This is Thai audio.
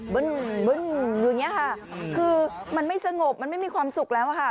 บึ้นอยู่อย่างนี้ค่ะคือมันไม่สงบมันไม่มีความสุขแล้วค่ะ